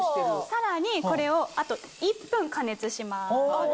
さらにこれをあと１分加熱します。